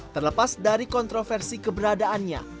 terlepas dari kontroversi keberadaannya